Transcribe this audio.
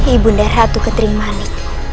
ibu dan ratu ketering manik